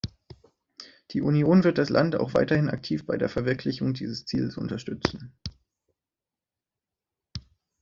Die Union wird das Land auch weiterhin aktiv bei der Verwirklichung dieses Ziels unterstützen.